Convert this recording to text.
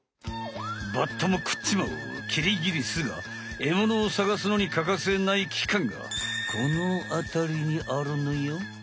バッタもくっちまうキリギリスがえものをさがすのにかかせないきかんがこのあたりにあるのよ。